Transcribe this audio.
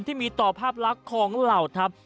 ที่มีต่อภาพลักษณ์ของเหล่าทัพ